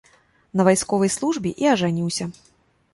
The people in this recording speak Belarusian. На вайсковай службе і ажаніўся.